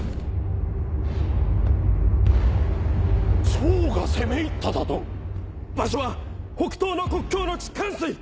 趙が攻め入っただと⁉場所は北東の国境の地関水！